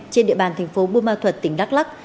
trên địa bàn thành phố buôn ma thuật tỉnh đắk lắc